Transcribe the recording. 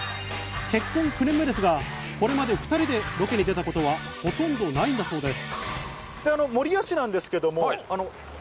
結婚９年目ですが、これまで２人でロケに出たことは、ほとんどないんだそうです。